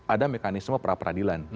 ada mekanisme pra peradilan